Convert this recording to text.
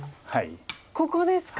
ここですか。